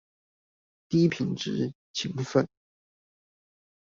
低品質勤奮